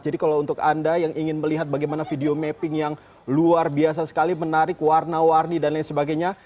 jadi kalau untuk anda yang ingin melihat bagaimana video mapping yang luar biasa sekali menarik warna warni dan lain sebagainya